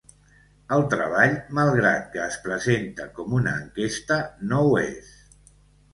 El treball, malgrat que es presenta com una enquesta, no ho és.